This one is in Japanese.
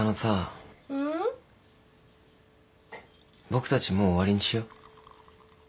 僕たちもう終わりにしよう。